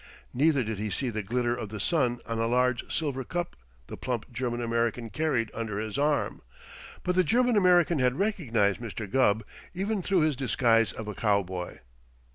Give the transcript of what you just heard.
Neither did he see the glitter of the sun on a large silver golf cup the plump German American carried under his arm; but the German American had recognized Mr. Gubb, even through his disguise of a cowboy.